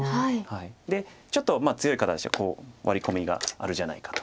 でちょっと強い方でしたらワリ込みがあるじゃないかと。